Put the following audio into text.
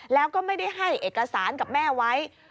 แล้วก็ไม่ได้ให้เอกสารกับแม่ไว้